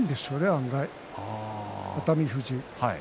案外、熱海富士。